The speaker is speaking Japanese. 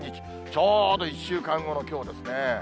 ちょうど１週間後のきょうですね。